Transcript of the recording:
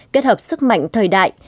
kết hợp sức mạnh thời đại